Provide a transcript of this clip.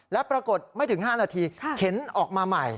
และปรากฏไม่ถึง๕นาทีเข็นออกมาใหม่